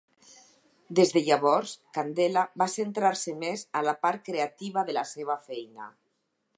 Des de llavors Candela va centrar-se més a la part creativa de la seva feina.